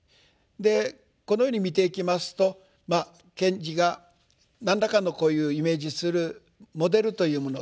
このように見ていきますと賢治が何らかのこういうイメージするモデルというもの